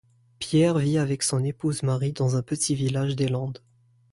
Pierre vit avec son épouse Marie dans un petit village des Landes.